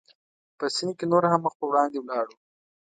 په سیند کې نور هم مخ پر وړاندې ولاړو.